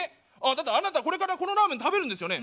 だったらあなたこれからこのラーメン食べるんですよね？